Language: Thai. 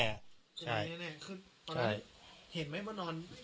เอาได้เห็นไหมพวกนอน